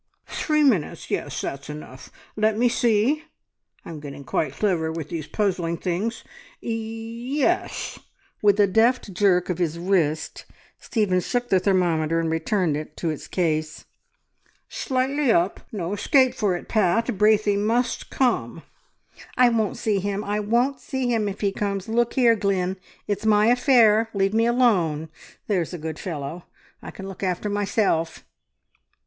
"Three minutes. Yes, that's enough. Let me see! I'm getting quite clever with these puzzling things. Ye es!" With a deft jerk of his wrist Stephen shook the thermometer, and returned it to it's case. "Slightly up! No escape for it, Pat. Braithey must come!" "I won't see him. I won't see him if he comes! Look here, Glynn, it's my affair! Leave me alone, there's a good fellow! I can look after myself..."